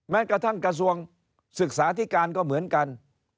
แม้กระทั่งกระทรวงศึกษาธิการก็เหมือนกัน